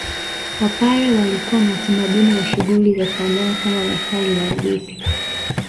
Wapare walikuwa na utamaduni wa shughuli za sanaa kama methali na hadithi